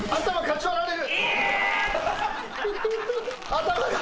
頭が。